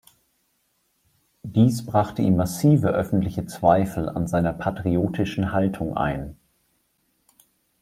Dies brachte ihm massive öffentliche Zweifel an seiner patriotischen Haltung ein.